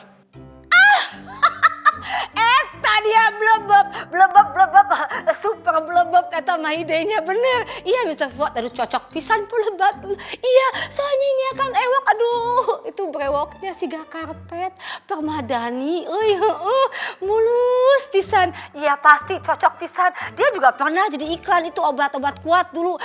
ah hahahaha eta dia blebob blebob blebob super blebob eta mah ide nya bener iya bisa buat aduh cocok pisan pule banget iya soalnya ini akan ewok aduh itu berewoknya sigakarpet permadani ui ui mulus pisan iya pasti cocok pisan dia juga pernah jadi iklan itu obat obat kuat dulu